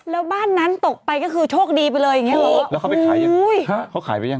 แล้วบ้านนั้นตกไปก็คือโชคดีไปเลยอย่างเงี้ยหรอ